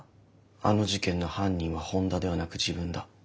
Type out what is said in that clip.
あの事件の犯人は本田ではなく自分だ。